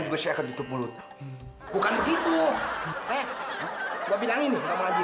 nah sekarang begini